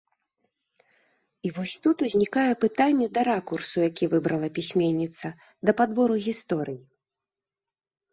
І вось тут узнікае пытанне да ракурсу, які выбрала пісьменніца, да падбору гісторый.